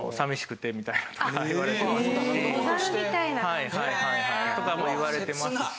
はいはいはい。とかも言われていますし。